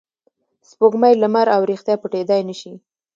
سپوږمۍ، لمر او ریښتیا پټېدای نه شي.